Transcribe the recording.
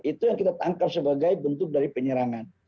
itu yang kita tangkap sebagai bentuk dari penyerangan